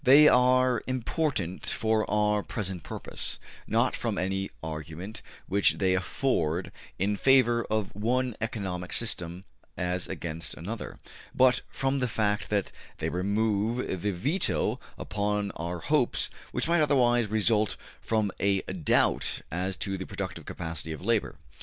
They are important for our present purpose, not from any argument which they afford in favor of one economic system as against another, but from the fact that they remove the veto upon our hopes which might otherwise result from a doubt as to the productive capacity of labor.